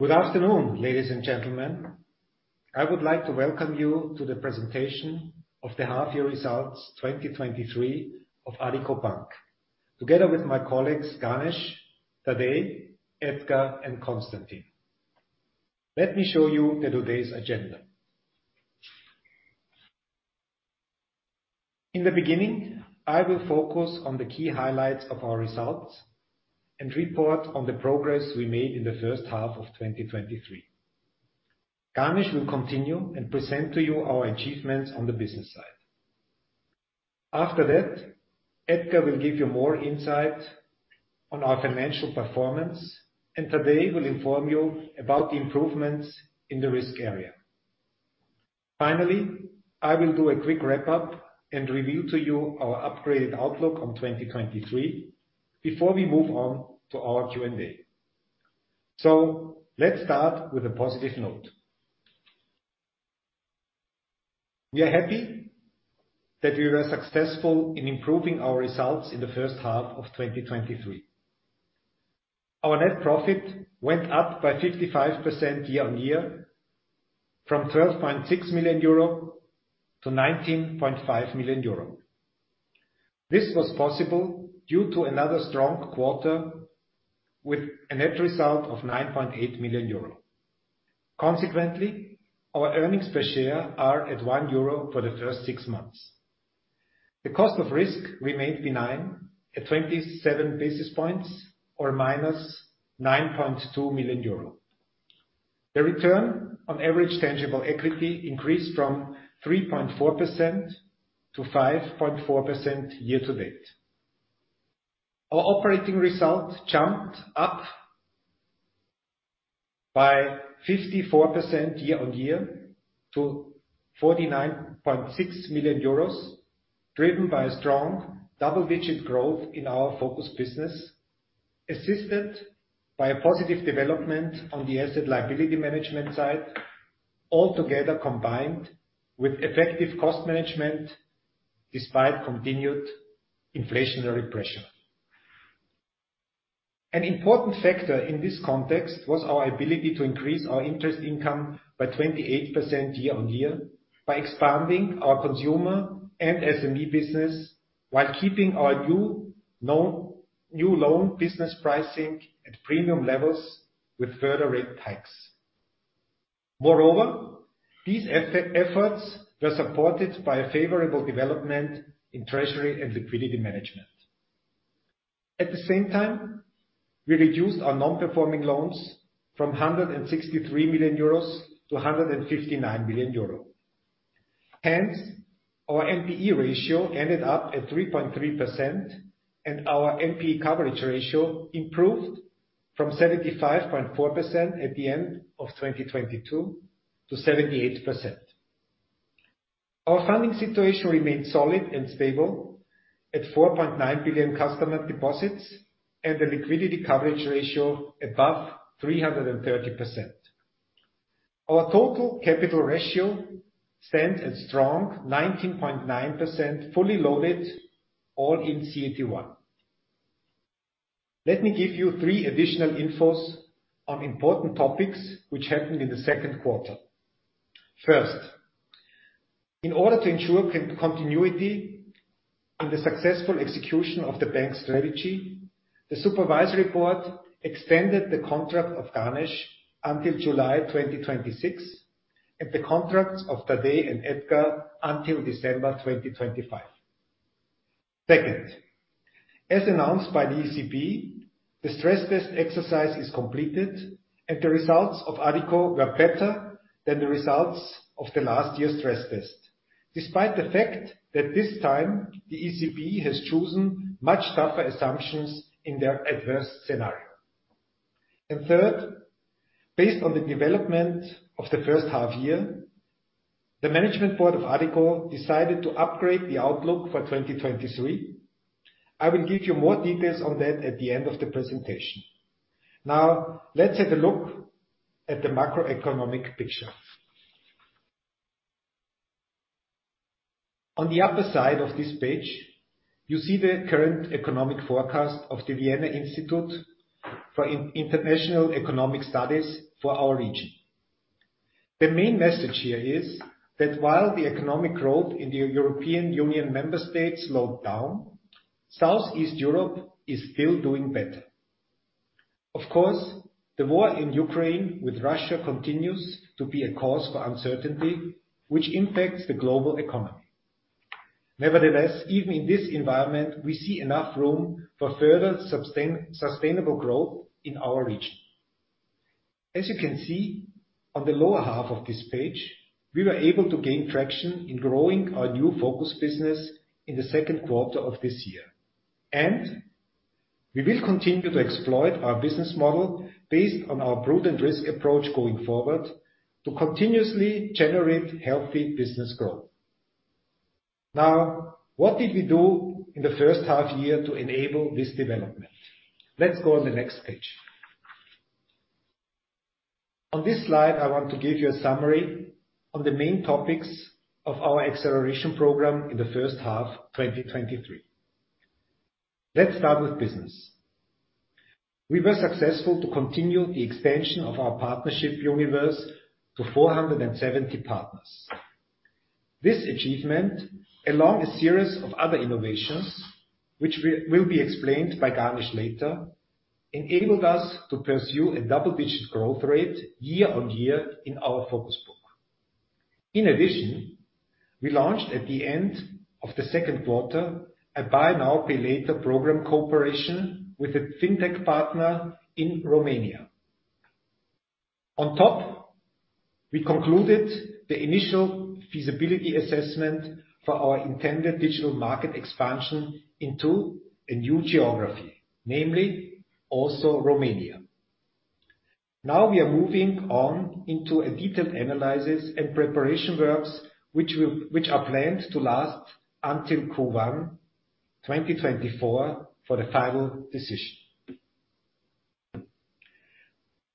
Good afternoon, ladies and gentlemen. I would like to welcome you to the presentation of the half-year results 2023 of Addiko Bank, together with my colleagues, Ganesh, Tadej, Edgar, and Konstantin. Let me show you the today's agenda. In the beginning, I will focus on the key highlights of our results and report on the progress we made in the first half of 2023. Ganesh will continue and present to you our achievements on the business side. After that, Edgar will give you more insight on our financial performance, and Tadej will inform you about the improvements in the risk area. Finally, I will do a quick wrap-up and reveal to you our upgraded outlook on 2023 before we move on to our Q&A. Let's start with a positive note. We are happy that we were successful in improving our results in the first half of 2023. Our net profit went up by 55% year-on-year from 12.6 million euro to 19.5 million euro. This was possible due to another strong quarter with a net result of 9.8 million euro. Consequently, our earnings per share are at 1 euro for the first six months. The cost of risk remained benign at 27 basis points or -9.2 million euro. The return on average tangible equity increased from 3.4% to 5.4% year-to-date. Our operating result jumped up by 54% year-on-year to 49.6 million euros, driven by a strong double-digit growth in our focus business, assisted by a positive development on the asset liability management side, all together combined with effective cost management despite continued inflationary pressure. An important factor in this context was our ability to increase our interest income by 28% year-on-year by expanding our consumer and SME business, while keeping our new loan, new loan business pricing at premium levels with further rate hikes. Moreover, these efforts were supported by a favorable development in treasury and liquidity management. At the same time, we reduced our non-performing loans from 163 million euros to 159 million euros, hence, our NPE ratio ended up at 3.3%, and our NPE coverage ratio improved from 75.4 at the end of 2022 to 78%. Our funding situation remains solid and stable at 4.9 billion customer deposits, and the liquidity coverage ratio above 330%. Our total capital ratio stands at strong 19.9%, fully loaded, all in CET1. Let me give you three additional infos on important topics which happened in the second quarter. First, in order to ensure continuity and the successful execution of the bank's strategy, the Supervisory Board extended the contract of Ganesh until July 2026, and the contracts of Tadej and Edgar until December 2025. Second, as announced by the ECB, the stress test exercise is completed, and the results of Addiko were better than the results of the last year's stress test, despite the fact that this time the ECB has chosen much tougher assumptions in their adverse scenario. Third, based on the development of the first half year, the Management Board of Addiko decided to upgrade the outlook for 2023. I will give you more details on that at the end of the presentation. Now, let's have a look at the macroeconomic picture. On the upper side of this page, you see the current economic forecast of The Vienna Institute for International Economic Studies for our region. The main message here is that while the economic growth in the European Union member states slowed down, Southeast Europe is still doing better. Of course, the war in Ukraine with Russia continues to be a cause for uncertainty, which impacts the global economy. Nevertheless, even in this environment, we see enough room for further sustainable growth in our region. As you can see on the lower half of this page, we were able to gain traction in growing our new focus business in the second quarter of this year, and we will continue to exploit our business model based on our prudent risk approach going forward to continuously generate healthy business growth. What did we do in the first half year to enable this development? Let's go on the next page. On this slide, I want to give you a summary on the main topics of our Acceleration Program in the first half, 2023. Let's start with business. We were successful to continue the expansion of our partnership universe to 470 partners. This achievement, along a series of other innovations, which will be explained by Ganesh later, enabled us to pursue a double-digit growth rate year-on-year in our focus book. We launched at the end of the second quarter, a Buy Now, Pay Later program cooperation with a fintech partner in Romania. We concluded the initial feasibility assessment for our intended digital market expansion into a new geography, namely also Romania. We are moving on into a detailed analysis and preparation works, which are planned to last until Q1 2024 for the final decision.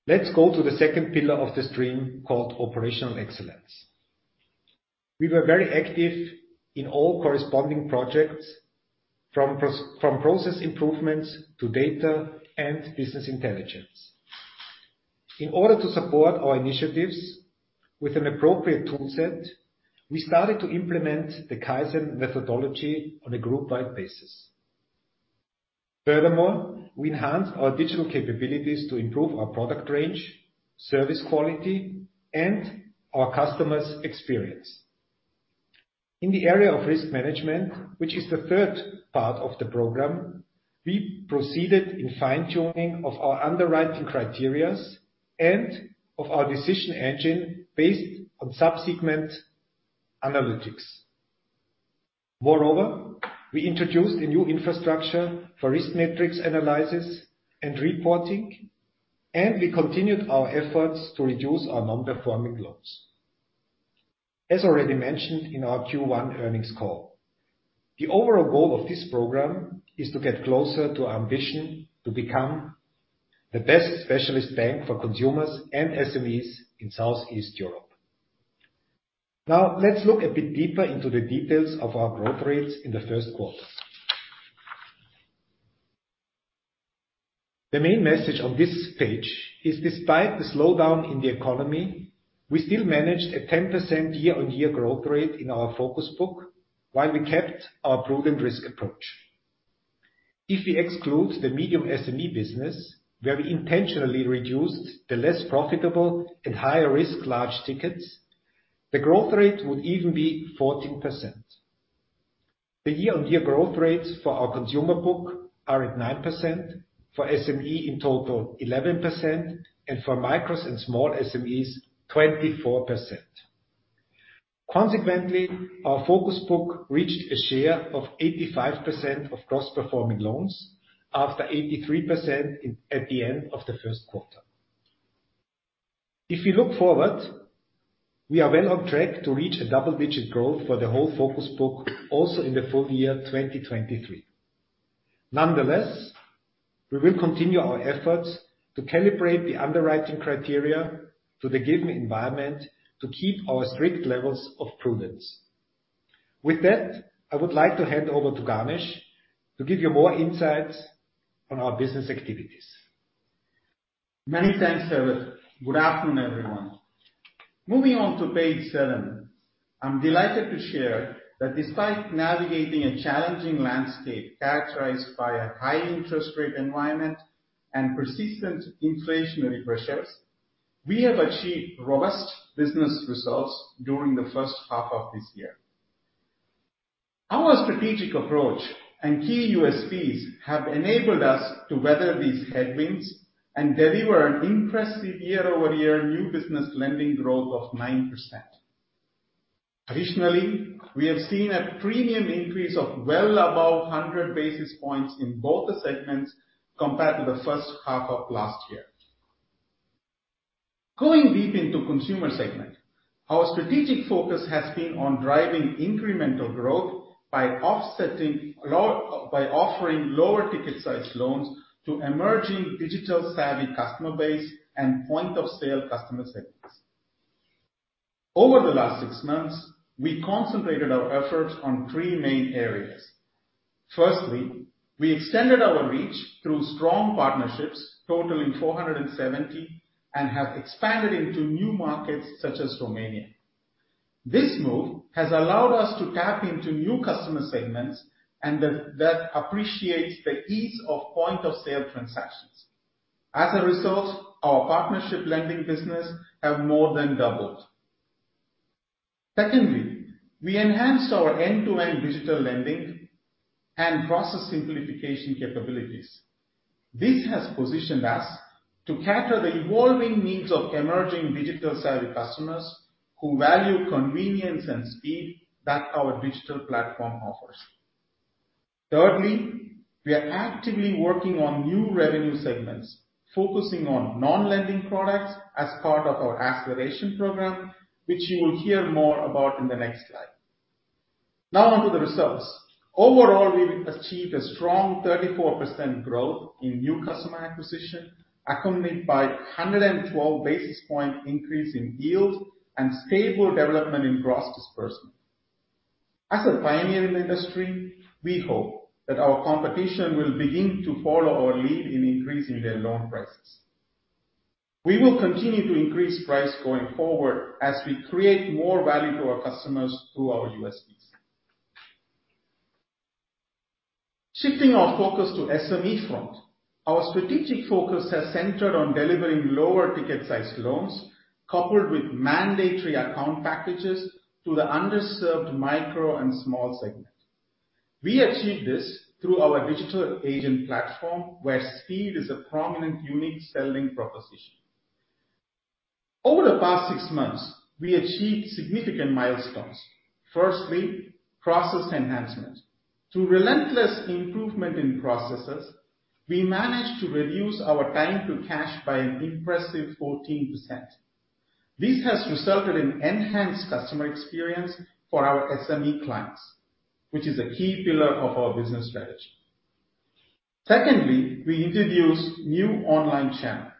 Let's go to the second pillar of the stream, called Operational Excellence. We were very active in all corresponding projects, from process improvements to data and business intelligence. In order to support our initiatives with an appropriate tool set, we started to implement the Kaizen methodology on a groupwide basis. Furthermore, we enhanced our digital capabilities to improve our product range, service quality, and our customers' experience. In the area of risk management, which is the third part of the program, we proceeded in fine-tuning of our underwriting criterias and of our decision engine based on sub-segment analytics. Moreover, we introduced a new infrastructure for risk metrics, analysis, and reporting, and we continued our efforts to reduce our non-performing loans. As already mentioned in our Q1 earnings call, the over all goal of this program is to get closer to our ambition to become the best specialist bank for consumers and SMEs in Southeast Europe. Now, let's look a bit deeper into the details of our growth rates in the first quarter. The main message on this page is despite the slowdown in the economy, we still managed a 10% year-on-year growth rate in our focus book, while we kept our prudent risk approach. If we exclude the medium SME business, where we intentionally reduced the less profitable and higher risk large tickets, the growth rate would even be 14%. The year-on-year growth rates for our consumer book are at 9%, for SME in total, 11%, and for micros and small SMEs, 24%. Consequently, our focus book reached a share of 85% of gross performing loans, after 83% in, at the end of the first quarter. If we look forward, we are well on track to reach a double-digit growth for the whole focus book also in the full year, 2023. Nonetheless, we will continue our efforts to calibrate the underwriting criteria to the given environment to keep our strict levels of prudence. With that, I would like to hand over to Ganesh to give you more insights on our business activities. Many thanks, Herbert. Good afternoon, everyone. Moving on to page seven, I'm delighted to share that despite navigating a challenging landscape characterized by a high interest rate environment and persistent inflationary pressures, we have achieved robust business results during the first half of this year. Our strategic approach and key USP have enabled us to weather these headwinds and deliver an impressive year-over-year new business lending growth of 9%. Additionally, we have seen a premium increase of well above 100 basis points in both the segments compared to the first half of last year. Going deep into consumer segment, our strategic focus has been on driving incremental growth by offering lower ticket size loans to emerging digital-savvy customer base and point of sale customer segments. Over the last six months, we concentrated our efforts on three main areas. Firstly, we extended our reach through strong partnerships, totaling 470, and have expanded into new markets such as Romania. This move has allowed us to tap into new customer segments and that appreciate the ease of point-of-sale transactions. As a result, our partnership lending business have more than doubled. Secondly, we enhanced our end-to-end digital lending and process simplification capabilities. This has positioned us to cater the evolving needs of emerging digital-savvy customers, who value convenience and speed that our digital platform offers. Thirdly, we are actively working on new revenue segments, focusing on non-lending products as part of our Acceleration Program, which you will hear more about in the next slide. Now on to the results. Overall, we've achieved a strong 34% growth in new customer acquisition, accompanied by 112 basis point increase in yields and stable development in gross disbursement. As a pioneer in the industry, we hope that our competition will begin to follow our lead in increasing their loan prices. We will continue to increase price going forward as we create more value to our customers through our USP. Shifting our focus to SME front, our strategic focus has centered on delivering lower ticket size loans, coupled with mandatory account packages to the underserved micro and small segment. We achieved this through our digital banking platform, where speed is a prominent, unique selling proposition. Over the past six months, we achieved significant milestones. Firstly, process enhancement. Through relentless improvement in processes, we managed to reduce our time to cash by an impressive 14%. This has resulted in enhanced customer experience for our SME clients, which is a key pillar of our business strategy. Secondly, we introduced new online channel.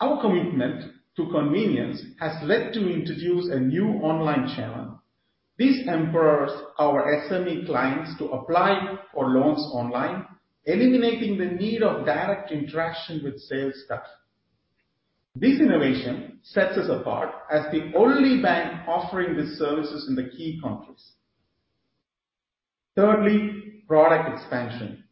Our commitment to convenience has led to introduce a new online channel. This empowers our SME clients to apply for loans online, eliminating the need of direct interaction with sales staff. This innovation sets us apart as the only bank offering these services in the key countries. Thirdly, product expansion.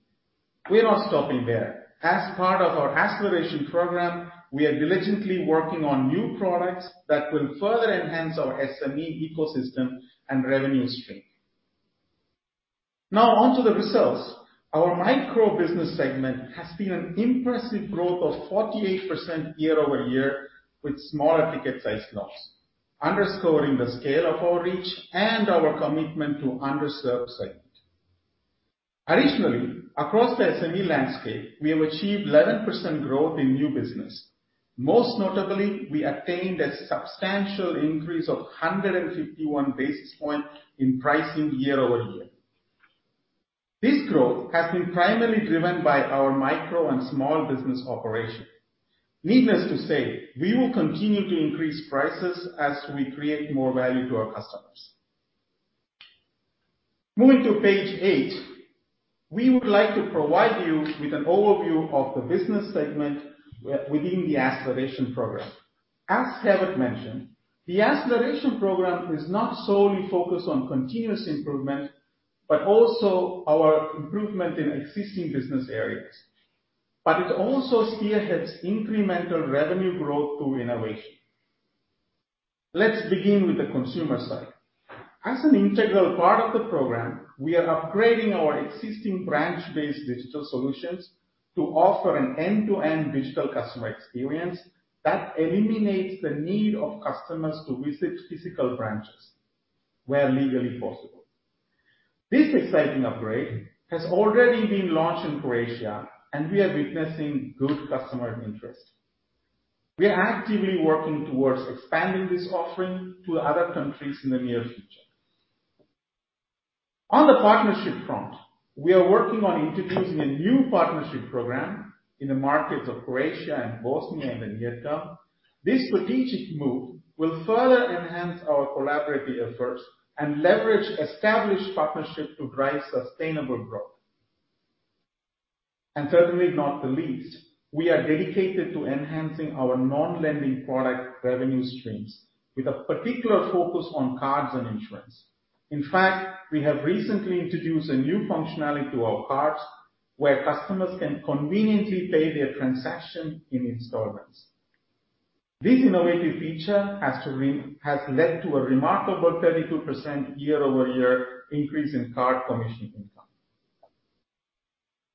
We're not stopping there. As part of our Acceleration Program, we are diligently working on new products that will further enhance our SME ecosystem and revenue stream. Now, onto the results. Our micro business segment has seen an impressive growth of 48% year-over-year, with smaller ticket size loans, underscoring the scale of our reach and our commitment to underserved segment. Additionally, across the SME landscape, we have achieved 11% growth in new business. Most notably, we attained a substantial increase of 151 basis points in pricing year-over-year. This growth has been primarily driven by our micro and small business operation. Needless to say, we will continue to increase prices as we create more value to our customers. Moving to page 8, we would like to provide you with an overview of the business segment within the Acceleration Program. As Tadej mentioned, the Acceleration Program is not solely focused on continuous improvement, but also our improvement in existing business areas. It also spearheads incremental revenue growth through innovation. Let's begin with the consumer side. As an integral part of the program, we are upgrading our existing branch-based digital solutions to offer an end-to-end digital customer experience that eliminates the need of customers to visit physical branches, where legally possible. This exciting upgrade has already been launched in Croatia, and we are witnessing good customer interest. We are actively working towards expanding this offering to other countries in the near future. On the partnership front, we are working on introducing a new partnership program in the markets of Croatia and Bosnia in the near term. This strategic move will further enhance our collaborative efforts and leverage established partnerships to drive sustainable growth. Certainly not the least, we are dedicated to enhancing our non-lending product revenue streams, with a particular focus on cards and insurance. In fact, we have recently introduced a new functionality to our cards, where customers can conveniently pay their transaction in installments. This innovative feature has led to a remarkable 32% year-over-year increase in card commission income.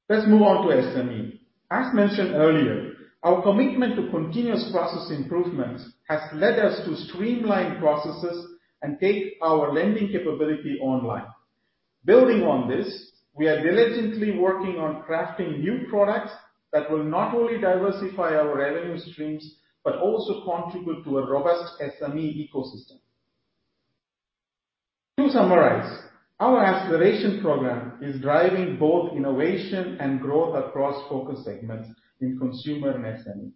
Let's move on to SME. As mentioned earlier, our commitment to continuous process improvements has led us to streamline processes and take our lending capability online. Building on this, we are diligently working on crafting new products that will not only diversify our revenue streams, but also contribute to a robust SME ecosystem. To summarize, our Acceleration Program is driving both innovation and growth across focus segments in consumer and SME.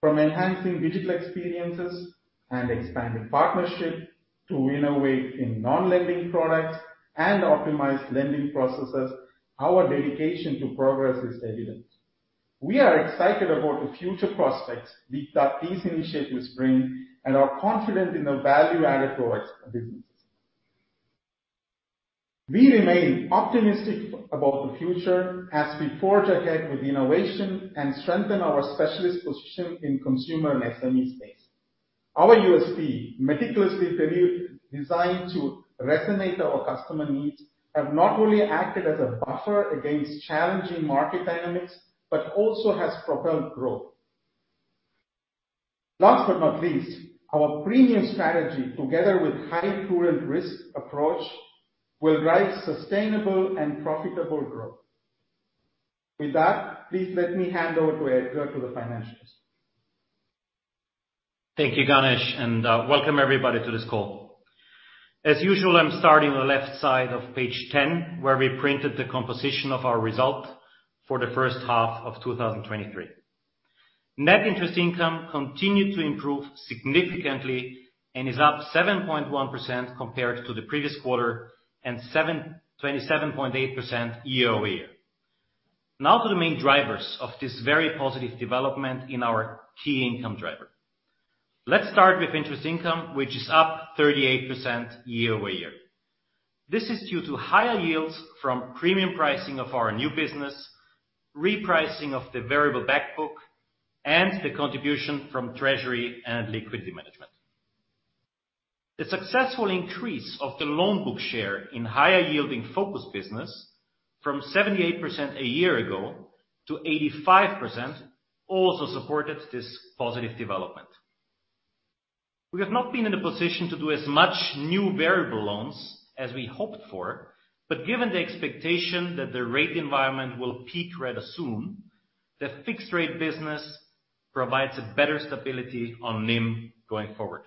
From enhancing digital experiences and expanding partnership, to innovate in non-lending products and optimize lending processes, our dedication to progress is evident. We are excited about the future prospects that these initiatives bring and are confident in the value added to our businesses. We remain optimistic about the future as we forge ahead with innovation and strengthen our specialist position in consumer and SME space. Our USP, meticulously designed to resonate our customer needs, have not only acted as a buffer against challenging market dynamics, but also has propelled growth. Last but not least, our premium strategy, together with high current risk approach, will drive sustainable and profitable growth. With that, please let me hand over to Edgar for the financials. Thank you, Ganesh, and welcome, everybody, to this call. As usual, I'm starting on the left side of page ten, where we printed the composition of our result for the first half of 2023. Net interest income continued to improve significantly, and is up 7.1% compared to the previous quarter, and 27.8% year-over-year. To the main drivers of this very positive development in our key income driver. Let's start with interest income, which is up 38% year-over-year. This is due to higher yields from premium pricing of our new business, repricing of the variable back book, and the contribution from treasury and liquidity management. The successful increase of the loan book share in higher yielding focus business from 78% a year ago to 85%, also supported this positive development. We have not been in a position to do as much new variable loans as we hoped for, but given the expectation that the rate environment will peak rather soon, the fixed rate business provides a better stability on NIM going forward.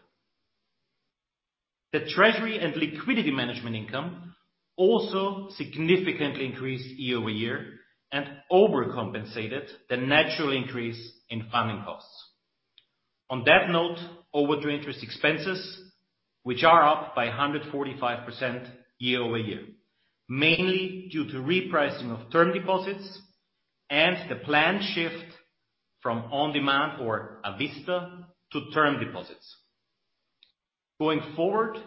The treasury and liquidity management income also significantly increased year-over-year and overcompensated the natural increase in funding costs. On that note, overdue interest expenses, which are up by 145% year-over-year, mainly due to repricing of term deposits and the planned shift from on-demand or a vista to term deposits. Going forward,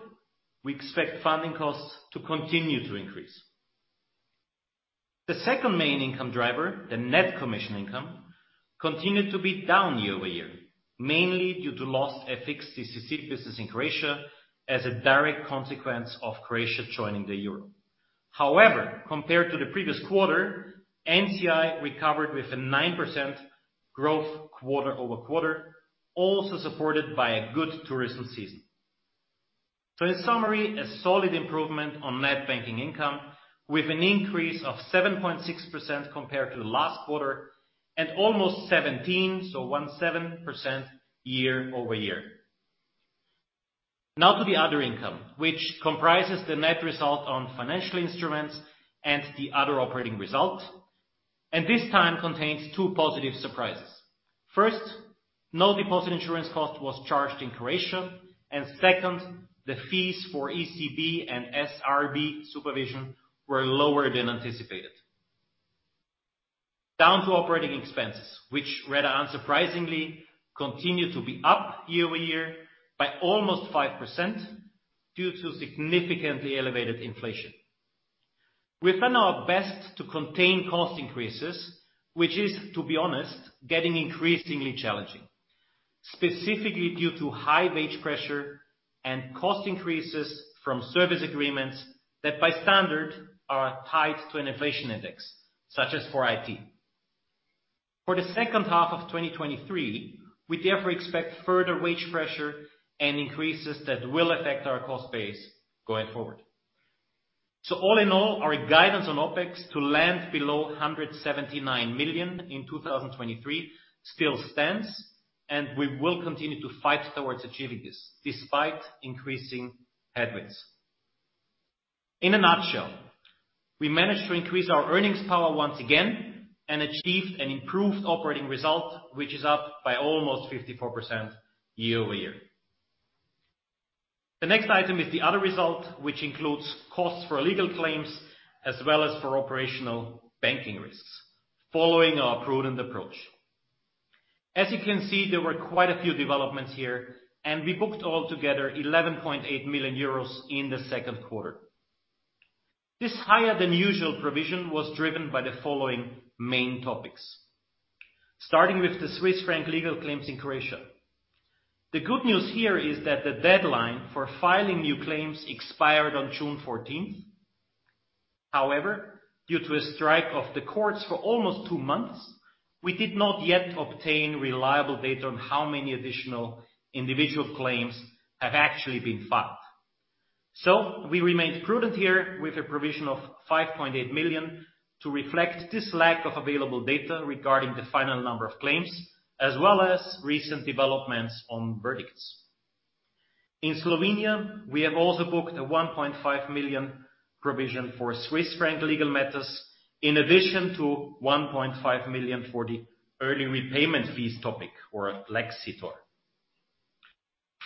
we expect funding costs to continue to increase. The second main income driver, the net commission income, continued to be down year-over-year, mainly due to lost FX/DCC business in Croatia as a direct consequence of Croatia joining the Euro. However, compared to the previous quarter, NCI recovered with a 9% growth quarter-over-quarter, also supported by a good tourism season. In summary, a solid improvement on net banking income with an increase of 7.6% compared to the last quarter, and almost 17%, so 17% year-over-year. To the other income, which comprises the net result on financial instruments and the other operating results, and this time contains two positive surprises. First, no deposit insurance cost was charged in Croatia, and second, the fees for ECB and SRB supervision were lower than anticipated. Down to operating expenses, which rather unsurprisingly, continue to be up year-over-year by almost 5% due to significantly elevated inflation. We've done our best to contain cost increases, which is, to be honest, getting increasingly challenging. Specifically, due to high wage pressure and cost increases from service agreements that by standard are tied to an inflation index, such as for IT. For the second half of 2023, we therefore expect further wage pressure and increases that will affect our cost base going forward. All in all, our guidance on OpEx to land below 179 million in 2023 still stands, and we will continue to fight towards achieving this, despite increasing headwinds. In a nutshell, we managed to increase our earnings power once again and achieved an improved operating result, which is up by almost 54% year-over-year. The next item is the other result, which includes costs for legal claims as well as for operational banking risks, following our prudent approach. As you can see, there were quite a few developments here, and we booked altogether 11.8 million euros in the second quarter. This higher than usual provision was driven by the following main topics. Starting with the Swiss franc legal claims in Croatia. The good news here is that the deadline for filing new claims expired on June 14th. However, due to a strike of the courts for almost two months, we did not yet obtain reliable data on how many additional individual claims have actually been filed. We remained prudent here with a provision of 5.8 million to reflect this lack of available data regarding the final number of claims, as well as recent developments on verdicts. In Slovenia, we have also booked a 1.5 million provision for Swiss franc legal matters, in addition to 1.5 million for the early repayment fees topic or Lexitor.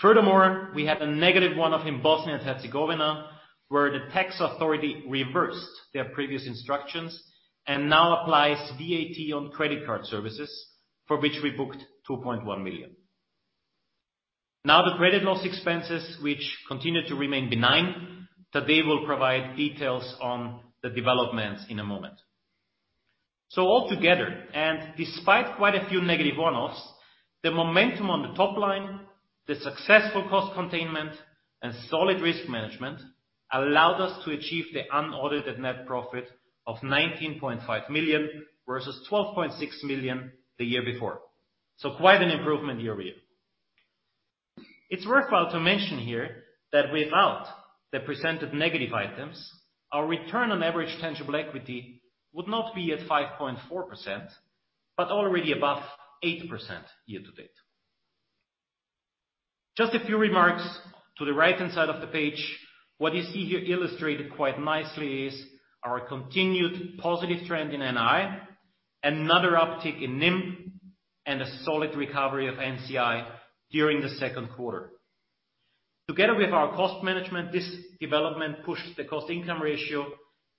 Furthermore, we had a negative one-off in Bosnia and Herzegovina, where the tax authority reversed their previous instructions and now applies VAT on credit card services, for which we booked 2.1 million. Now, the credit loss expense, which continue to remain benign, Tadej will provide details on the developments in a moment. Altogether, and despite quite a few negative one-offs, the momentum on the top line, the successful cost containment, and solid risk management allowed us to achieve the unaudited net profit of 19.5 million versus 12.6 million the year before. Quite an improvement year-over-year. It's worthwhile to mention here that without the presented negative items, our return on average tangible equity would not be at 5.4%, but already above 8% year to date. Just a few remarks to the right-hand side of the page. What you see here illustrated quite nicely is our continued positive trend in NII, another uptick in NIM, and a solid recovery of NII during the second quarter. Together with our cost management, this development pushed the cost-income ratio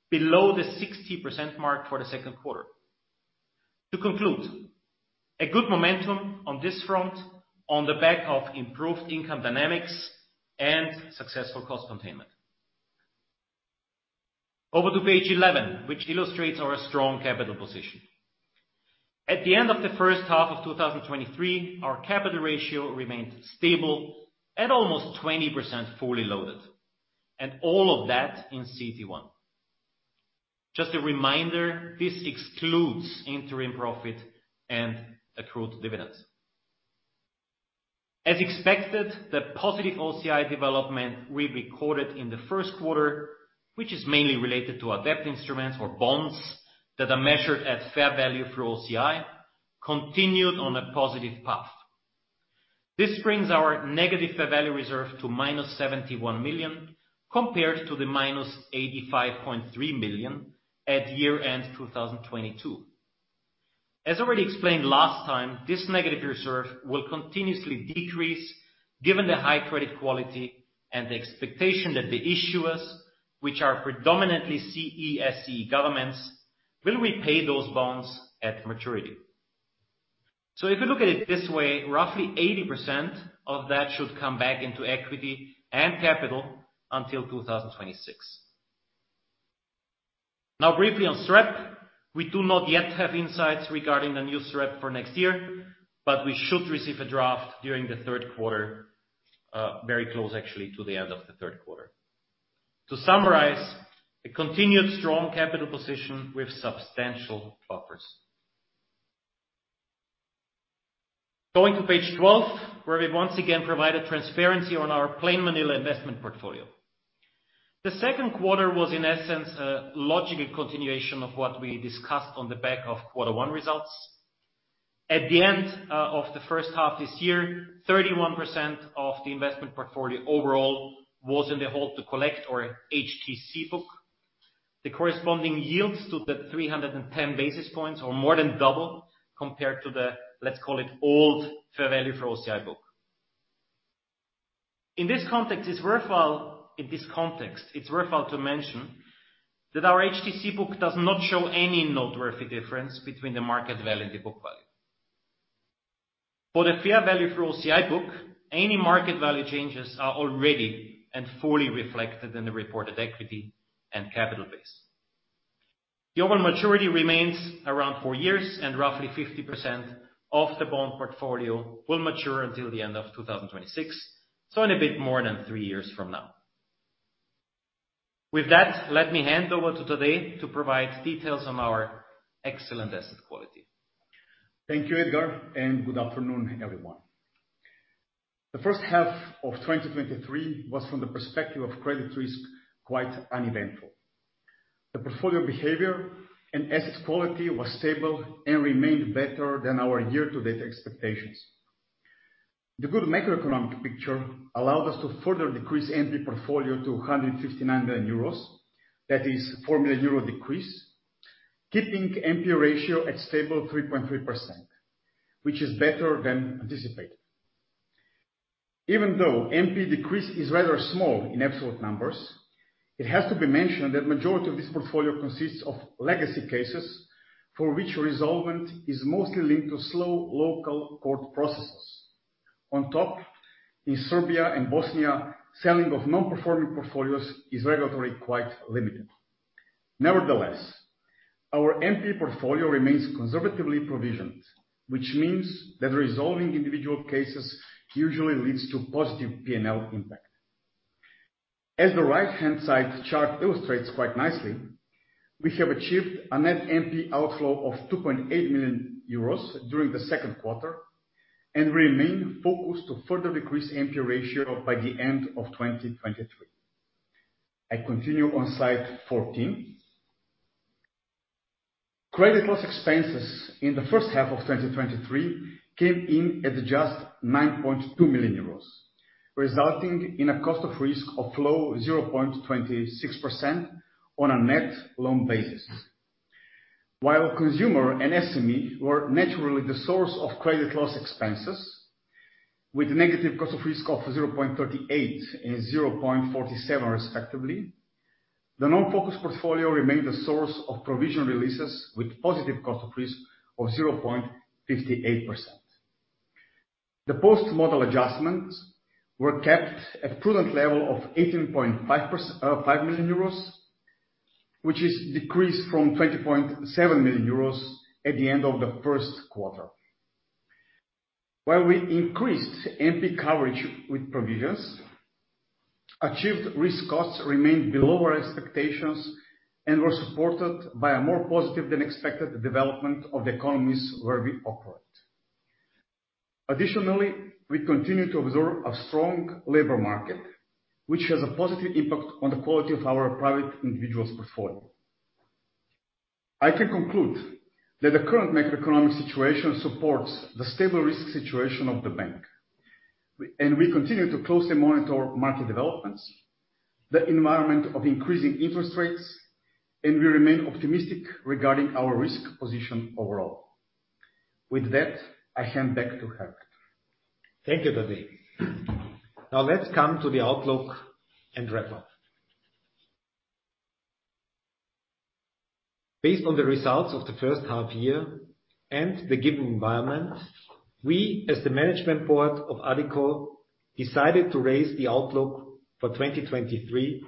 below the 60% mark for the second quarter. To conclude, a good momentum on this front on the back of improved income dynamics and successful cost containment. Over to page 11, which illustrates our strong capital position. At the end of the first half of 2023, our capital ratio remained stable at almost 20% fully loaded, and all of that in CET1. Just a reminder, this excludes interim profit and accrued dividends. As expected, the positive OCI development we recorded in the first quarter, which is mainly related to our debt instruments or bonds that are measured at Fair Value through OCI, continued on a positive path. This brings our negative fair value reserve to minus 71 million, compared to the minus 85.3 million at year-end 2022. As already explained last time, this negative reserve will continuously decrease given the high credit quality and the expectation that the issuers, which are predominantly CSEE governments, will repay those bonds at maturity. If you look at it this way, roughly 80% of that should come back into equity and capital until 2026. Briefly on SREP, we do not yet have insights regarding the new SREP for next year, but we should receive a draft during the third quarter, very close, actually, to the end of the third quarter. To summarize, a continued strong capital position with substantial buffers. Going to page 12, where we once again provided transparency on our plain vanilla investment portfolio. The second quarter was, in essence, a logical continuation of what we discussed on the back of quarter one results. At the end, of the first half this year, 31% of the investment portfolio overall was in the Hold to Collect, or HTC book. The corresponding yields to the 310 basis points, or more than double, compared to the old Fair Value for OCI book. In this context, it's worthwhile to mention that our HTC book does not show any noteworthy difference between the market value and the book value. For the Fair Value for OCI book, any market value changes are already and fully reflected in the reported equity and capital base. The overall maturity remains around four years, and roughly 50% of the bond portfolio will mature until the end of 2026, so in a bit more than three years from now. With that, let me hand over to Tadej to provide details on our excellent asset quality. Thank you, Edgar. Good afternoon, everyone. The first half of 2023 was, from the perspective of credit risk, quite uneventful. The portfolio behavior and asset quality was stable and remained better than our year-to-date expectations. The good macroeconomic picture allowed us to further decrease NP portfolio to 159 million euros. That is four million euro decrease, keeping NPL ratio at stable 3.3%, which is better than anticipated. Even though NP decrease is rather small in absolute numbers, it has to be mentioned that majority of this portfolio consists of legacy cases, for which resolvent is mostly linked to slow local court processes. On top, in Serbia and Bosnia, selling of non-performing portfolios is regulatory quite limited. Nevertheless, our NP portfolio remains conservatively provisioned, which means that resolving individual cases usually leads to positive P&L impact. As the right-hand side chart illustrates quite nicely, we have achieved a net NP outflow of 2.8 million euros during the second quarter, and remain focused to further decrease NPL ratio by the end of 2023. I continue on slide 14. Credit loss expenses in the first half of 2023 came in at just 9.2 million euros, resulting in a cost of risk of low 0.26% on a net loan basis. While consumer and SME were naturally the source of credit loss expense, with negative cost of risk of 0.38 and 0.47 respectively, the non-focus portfolio remained a source of provision releases with positive cost of risk of 0.58%. The post-model adjustments were kept at prudent level of 18.5 million euros, which is decreased from 20.7 million euros at the end of the first quarter. While we increased NPE coverage with provisions, achieved risk costs remained below our expectations and were supported by a more positive than expected development of the economies where we operate. Additionally, we continue to observe a strong labor market, which has a positive impact on the quality of our private individuals portfolio. I can conclude that the current macroeconomic situation supports the stable risk situation of the bank. We continue to closely monitor market developments, the environment of increasing interest rates, and we remain optimistic regarding our risk position overall. With that, I hand back to Edgar. Thank you, Tadej. Now let's come to the outlook and wrap up. Based on the results of the first half year and the given environment, we, as the Management Board of Addiko, decided to raise the outlook for 2023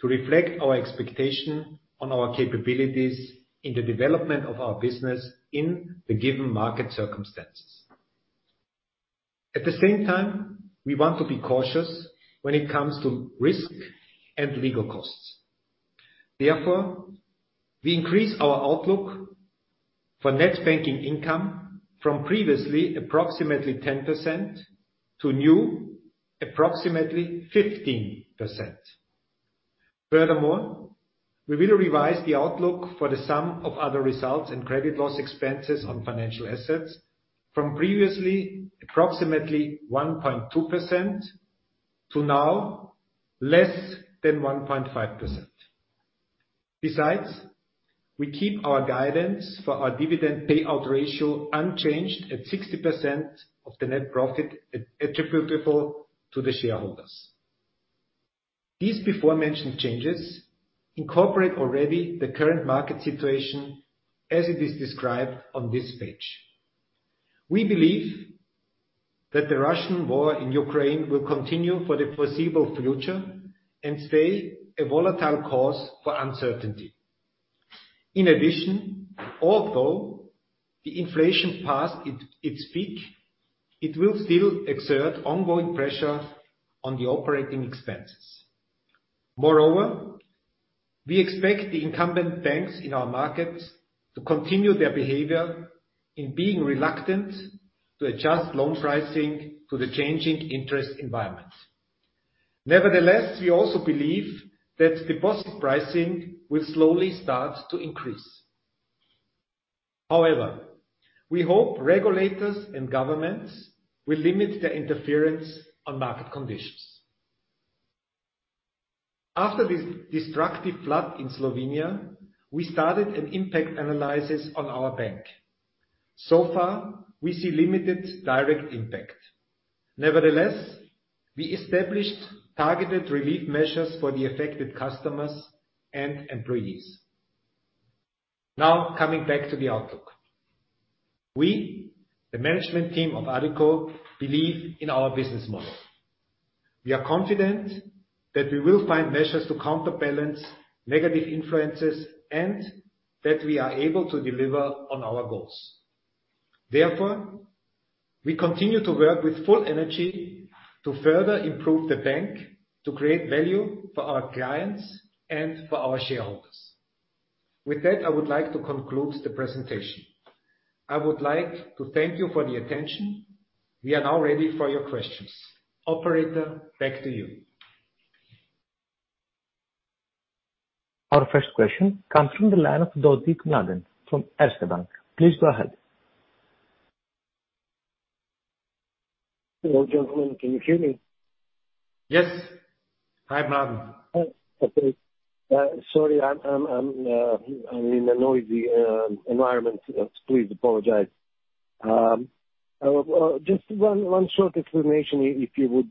to reflect our expectation on our capabilities in the development of our business in the given market circumstances. At the same time, we want to be cautious when it comes to risk and legal costs. Therefore, we increase our outlook for Net Banking Income from previously approximately 10% to new, approximately 15%. Furthermore, we will revise the outlook for the sum of other results and credit loss expense on financial assets from previously approximately 1.2% to now less than 1.5%. We keep our guidance for our dividend payout ratio unchanged at 60% of the net profit attributable to the shareholders. These before-mentioned changes incorporate already the current market situation as it is described on this page. We believe that the Russian war in Ukraine will continue for the foreseeable future and stay a volatile cause for uncertainty. In addition, although the inflation passed its peak, it will still exert ongoing pressure on the operating expenses. We expect the incumbent banks in our markets to continue their behavior in being reluctant to adjust loan pricing to the changing interest environment. We also believe that deposit pricing will slowly start to increase. We hope regulators and governments will limit their interference on market conditions. After the destructive flood in Slovenia, we started an impact analysis on our bank. So far, we see limited direct impact. Nevertheless, we established targeted relief measures for the affected customers and employees. Now, coming back to the outlook. We, the management team of Addiko, believe in our business model. We are confident that we will find measures to counterbalance negative influences and that we are able to deliver on our goals. Therefore, we continue to work with full energy to further improve the bank, to create value for our clients and for our shareholders. With that, I would like to conclude the presentation. I would like to thank you for the attention. We are now ready for your questions. Operator, back to you. Our first question comes from the line of Mladen Dodig from Erste Group. Please go ahead. Hello, gentlemen, can you hear me? Yes. Hi, Mladen. Okay. Sorry, I'm in a noisy environment. Please apologize. Just one short explanation, if you would,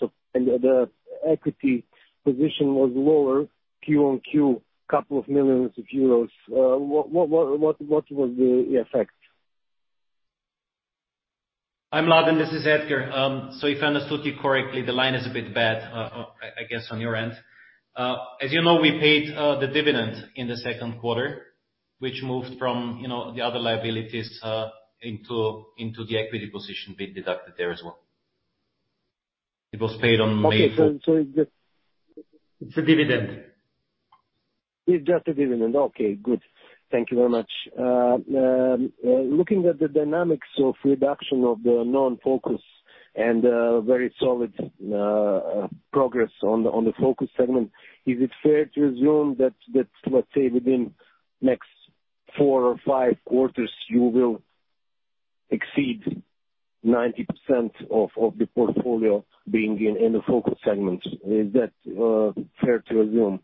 so the equity position was lower Q on Q, 2 million euros. What was the effect? Hi, Mladen, this is Edgar. If I understood you correctly, the line is a bit bad, I, I guess, on your end. As you know, we paid the dividend in the second quarter, which moved from, you know, the other liabilities, into the equity position being deducted there as well. It was paid on May fourth. Okay, it's. It's a dividend. It's just a dividend. Okay, good. Thank you very much. Looking at the dynamics of reduction of the non-focus and very solid progress on the focus segment, is it fair to assume that, let's say within next four or five quarters, you will exceed 90% of the portfolio being in the focus segment? Is that fair to assume?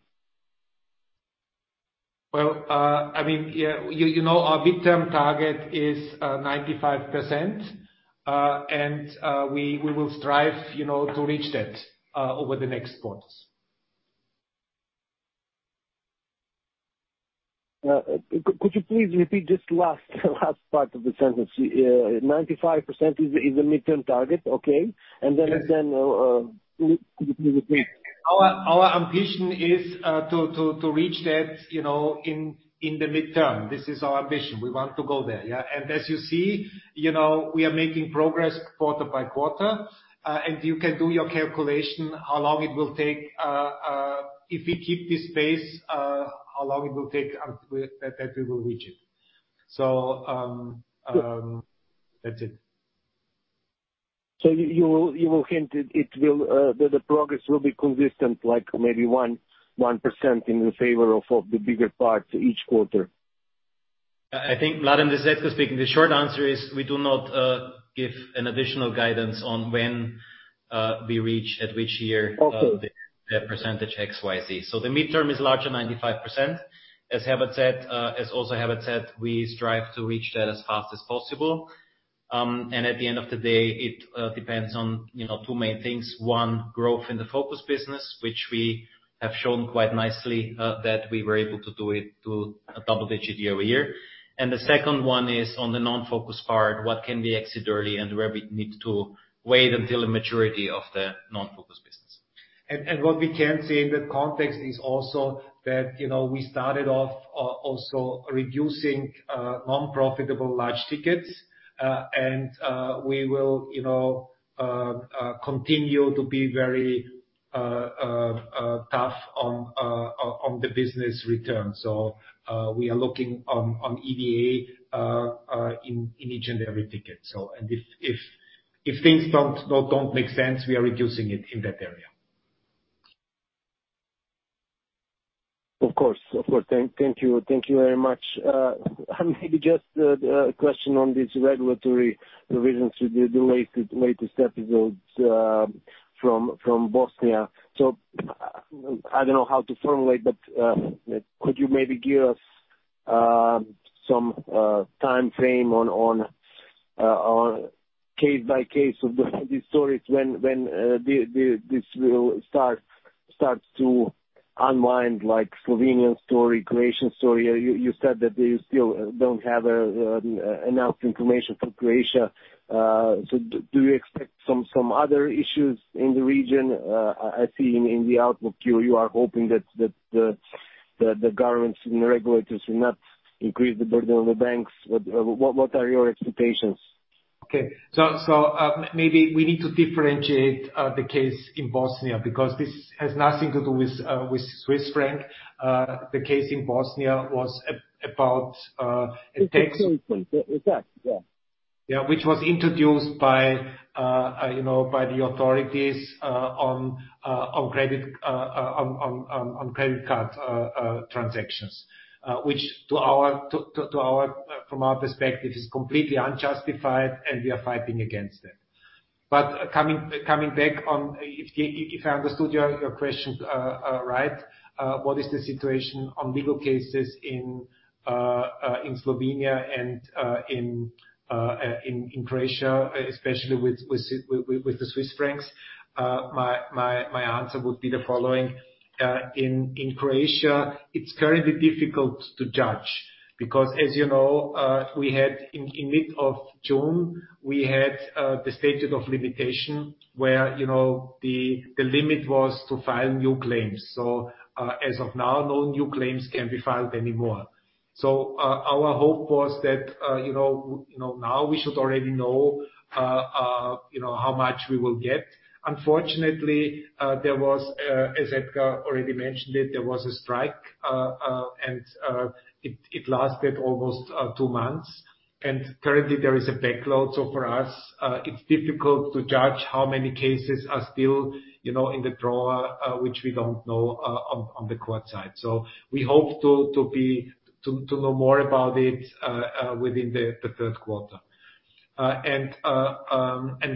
Well, I mean, yeah, you, you know, our midterm target is 95%. We, we will strive, you know, to reach that over the next quarters. Could you please repeat this last, last part of the sentence? 95% is the, is the midterm target. Okay. Yes. Then, could you please repeat? Our, our ambition is to, to, to reach that, you know, in, in the midterm. This is our ambition. We want to go there, yeah? As you see, you know, we are making progress quarter by quarter, and you can do your calculation, how long it will take. If we keep this pace, how long it will take we, that we will reach it. That's it. You will hint it, it will that the progress will be consistent, like maybe 1% in the favor of, of the bigger parts each quarter? I think, Mladen, this is Edgar speaking, the short answer is we do not give an additional guidance on when we reach at which year- Okay. The, the percentage XYZ. The midterm is larger 95%. As Herbert said, as also Herbert said, we strive to reach that as fast as possible. At the end of the day, it depends on, you know, two main things. One, growth in the focus business, which we have shown quite nicely, that we were able to do it to a double-digit year-over-year. The second one is on the non-focus part, what can we exit early, and where we need to wait until the maturity of the non-focus business. What we can say in that context is also that, you know, we started off also reducing non-profitable large tickets. We will, you know, continue to be very tough on on the business returns. We are looking on on EVA in in each and every ticket. If, if, if things don't, don't, don't make sense, we are reducing it in that area. Of course. Of course. Thank, thank you. Thank you very much. Maybe just a question on this regulatory revisions with the latest, latest episodes from Bosnia. I, I don't know how to formulate, but could you maybe give us some timeframe on on case by case of these stories, when when this will start, start to unwind, like Slovenian story, Croatian story? You, you said that you still don't have enough information for Croatia. Do you expect some other issues in the region? I, I see in the outlook, you, you are hoping that the governments and regulators will not increase the burden on the banks. What, what are your expectations? Okay. So, maybe we need to differentiate, the case in Bosnia, because this has nothing to do with, with Swiss franc. The case in Bosnia was about, a tax- Exactly. Exactly, yeah. Yeah, which was introduced by, you know, by the authorities, on, on credit, on, on, on, on credit card transactions. Which to our, to, to, to our, from our perspective, is completely unjustified, and we are fighting against it. Coming, coming back on. If, if, if I understood your, your question right, what is the situation on legal cases in Slovenia and in Croatia, especially with, with with, with, with the Swiss francs? My, my, my answer would be the following: in, in Croatia, it's currently difficult to judge, because as you know, we had in, in mid of June, we had the statute of limitation, where, you know, the, the limit was to file new claims. As of now, no new claims can be filed anymore. Our hope was that, you know, you know, now we should already know, you know, how much we will get. Unfortunately, there was, as Edgar already mentioned it, there was a strike, and it lasted almost two months, and currently there is a backlog. For us, it's difficult to judge how many cases are still, you know, in the drawer, which we don't know, on the court side. We hope to know more about it within the third quarter. And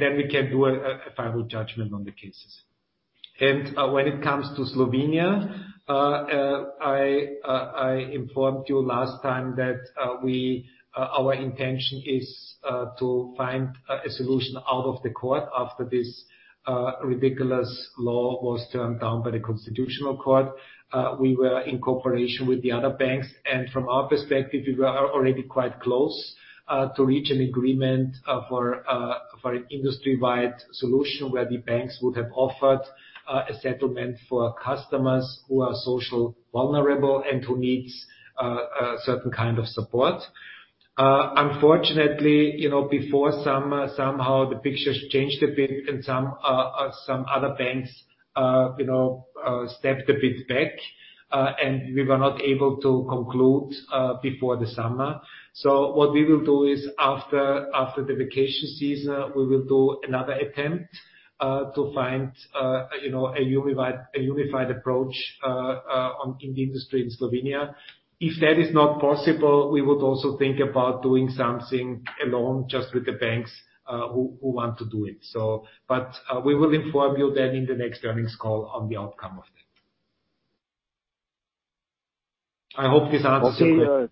then we can do a final judgment on the cases. When it comes to Slovenia, I informed you last time that we, our intention is to find a solution out of the court after this ridiculous law was turned down by the Constitutional Court. We were in cooperation with the other banks, and from our perspective, we were already quite close to reach an agreement for for an industry-wide solution, where the banks would have offered a settlement for customers who are social vulnerable and who needs certain kind of support. Unfortunately, you know, before some, somehow the pictures changed a bit, and some, some other banks, you know, stepped a bit back, and we were not able to conclude before the summer. What we will do is, after, after the vacation season, we will do another attempt to find, you know, a unified approach on, in the industry in Slovenia. If that is not possible, we would also think about doing something alone, just with the banks who, who want to do it. We will inform you then in the next earnings call on the outcome of that. I hope this answers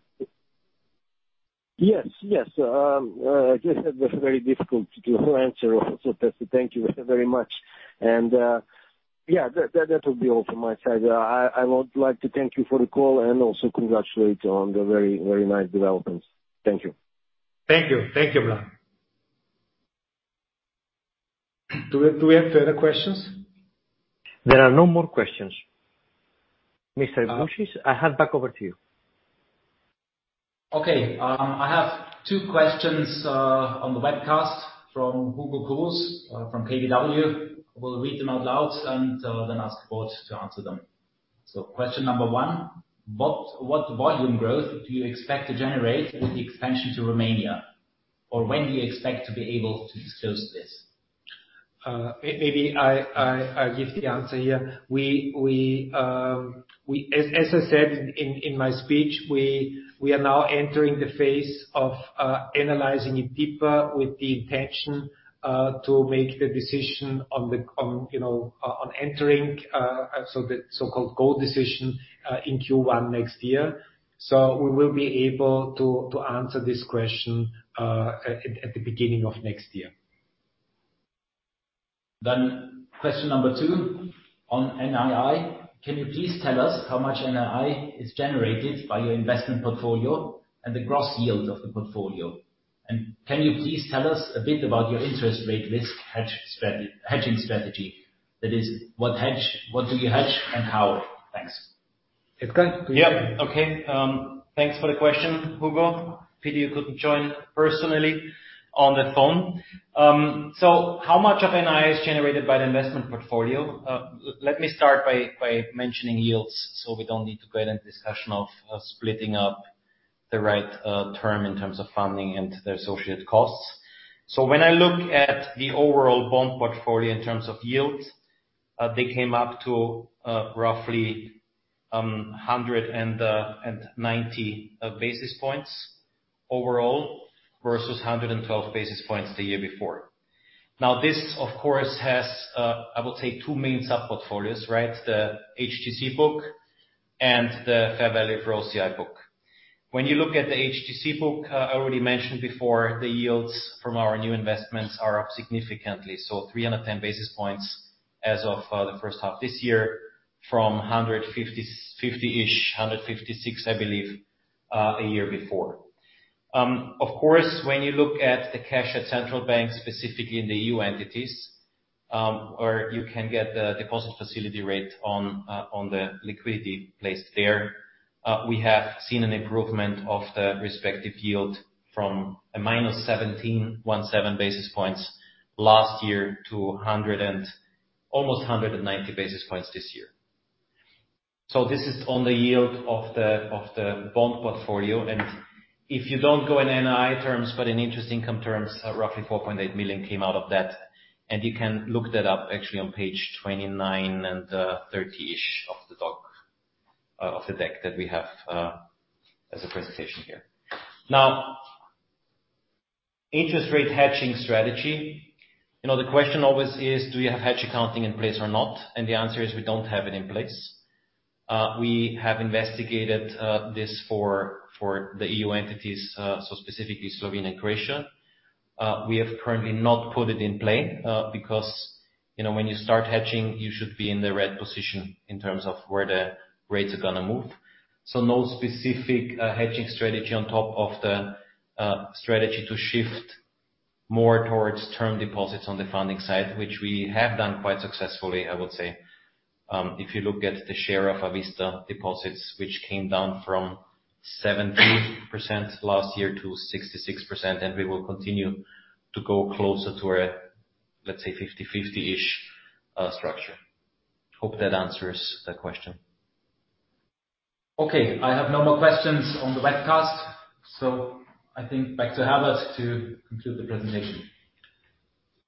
your- Yes. Yes. I guess that was very difficult to answer also. Thank you very much, and, yeah, that, that, that will be all from my side. I, I would like to thank you for the call and also congratulate you on the very, very nice developments. Thank you. Thank you. Thank you, Mladen. Do we, do we have further questions? There are no more questions. Herbert, I hand back over to you. Okay, I have two questions on the webcast from Hugo Cruz from KBW. I will read them out loud, and then ask the board to answer them.... question number one, what, what volume growth do you expect to generate with the expansion to Romania? Or when do you expect to be able to disclose this? Maybe I, I, I give the answer here. We, we, As, as I said in, in my speech, we, we are now entering the phase of analyzing it deeper with the intention to make the decision on the, on, you know, on entering, so the so-called go decision in Q1 next year. We will be able to, to answer this question at, at, at the beginning of next year. Question number two on NII. Can you please tell us how much NII is generated by your investment portfolio and the gross yield of the portfolio? Can you please tell us a bit about your interest rate risk hedge strategy, hedging strategy? That is, what do you hedge and how? Thanks. Yep. Okay, thanks for the question, Hugo. Pity you couldn't join personally on the phone. How much of NII is generated by the investment portfolio? Let me start by, by mentioning yields, so we don't need to go into a discussion of, of splitting up the right term in terms of funding and the associated costs. When I look at the overall bond portfolio in terms of yields, they came up to roughly 190 basis points overall, versus 112 basis points the year before. This, of course, has, I will say, two main sub-portfolios, right? The HTC book and the fair value for OCI book. When you look at the HTC book, I already mentioned before, the yields from our new investments are up significantly, so 310 basis points as of the first half this year, from 150, 50-ish, 156, I believe, the year before. Of course, when you look at the cash at Central Bank, specifically in the EU entities, or you can get the deposit facility rate on the liquidity placed there, we have seen an improvement of the respective yield from -17 basis points last year, to almost 190 basis points this year. This is on the yield of the, of the bond portfolio, and if you don't go in NII terms, but in interest income terms, roughly 4.8 million came out of that, and you can look that up actually on page 29 and 30-ish of the doc, of the deck that we have, as a presentation here. Interest rate hedging strategy, you know, the question always is: Do you have hedge accounting in place or not? The answer is we don't have it in place. We have investigated this for, for the EU entities, so specifically Slovenia and Croatia. We have currently not put it in play, because, you know, when you start hedging, you should be in the red position in terms of where the rates are gonna move. No specific hedging strategy on top of the strategy to shift more towards term deposits on the funding side, which we have done quite successfully, I would say. If you look at the share of a vista deposits, which came down from 70% last year to 66%, and we will continue to go closer to a, let's say, 50/50-ish structure. Hope that answers the question. Okay, I have no more questions on the webcast. I think back to Herbert to conclude the presentation.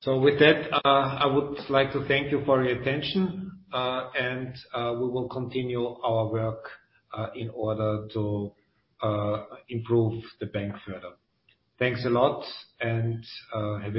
With that, I would like to thank you for your attention, and we will continue our work in order to improve the bank further. Thanks a lot, and have a nice day.